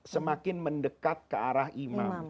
semakin mendekat ke arah imam